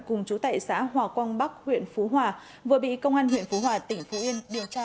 cùng chú tệ xã hòa quang bắc huyện phú hòa vừa bị công an huyện phú hòa tỉnh phú yên điều tra